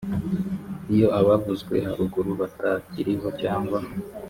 iyo abavuzwe haruguru batakiriho cyangwa